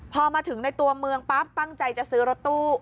พอมาถึงในตัวเมืองปั๊บตั้งใจจะซื้อรถตู้